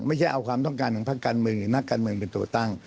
ไม่ใช่เอาความต้องการของภาคการเมืองหรือนักการเมืองเป็นตัวตั้ง